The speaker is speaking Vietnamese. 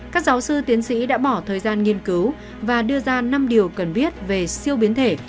các giáo sư tiến sĩ đã bỏ thời gian nghiên cứu và đưa ra năm điều cần biết về siêu biến thể